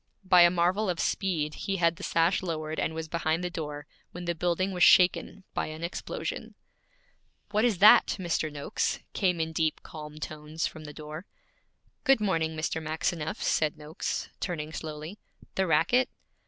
By a marvel of speed he had the sash lowered, and was behind the door, when the building was shaken by an explosion. 'What is that, Mr. Noakes?' came in deep, calm tones from the door. 'Good morning, Mr. Maxineff,' said Noakes, turning slowly. 'The racket?